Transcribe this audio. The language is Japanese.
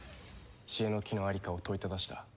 知恵の樹の在りかを問いただした。